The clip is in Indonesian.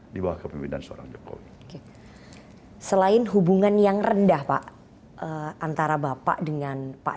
di bawah kepemimpinan seorang jokowi selain hubungan yang rendah pak antara bapak dengan pak